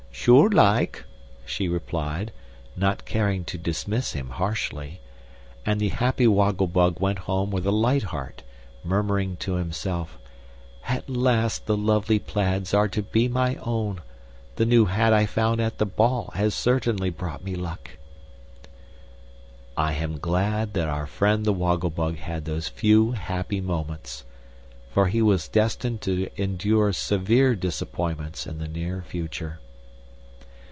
"Sure like!" she replied, not caring to dismiss him harshly; and the happy Woggle Bug went home with a light heart, murmuring to himself: "At last the lovely plaids are to be my own! The new hat I found at the ball has certainly brought me luck." I am glad our friend the Woggle Bug had those few happy moments, for he was destined to endure severe disappointments in the near future.